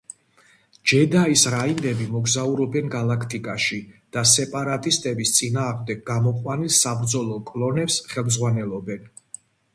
ჯედაის რაინდები მოგზაურობენ გალაქტიკაში და სეპარატისტების წინააღმდეგ გამოყვანილ საბრძოლო კლონებს ხელმძღვანელობენ.